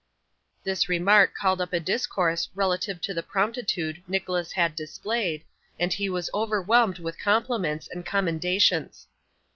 This remark called up a discourse relative to the promptitude Nicholas had displayed, and he was overwhelmed with compliments and commendations.